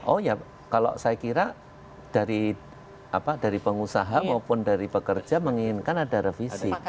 oh ya kalau saya kira dari pengusaha maupun dari pekerja menginginkan ada revisi